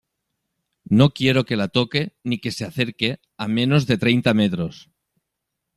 no quiero que la toque ni que se acerque a menos de treinta metros.